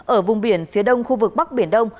ở vùng biển phía đông khu vực bắc biển đông